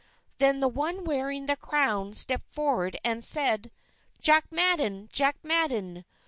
_" Then the one wearing the crown stepped forward, and said: "_Jack Madden! Jack Madden!